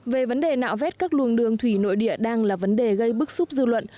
về vấn đề nạo vét các luồng đường thủy nội địa đang là vấn đề gây bức xúc dư luận